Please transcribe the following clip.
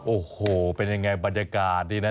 โอ้โหเป็นยังไงบรรยากาศดีนะ